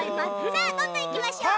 さあどんどんいきましょう。